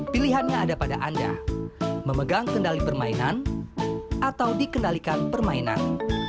pilihannya ada pada anda memegang kendali permainan atau dikendalikan permainan